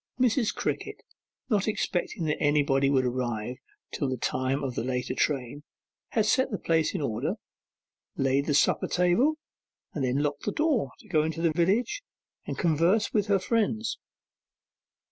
Mrs. Crickett, not expecting that anybody would arrive till the time of the later train, had set the place in order, laid the supper table, and then locked the door, to go into the village and converse with her friends.